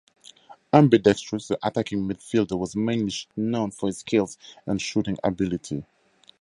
Ambidextrous, the attacking midfielder was mainly known for his skills and shooting ability.